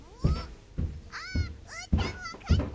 あっうーたんわかった！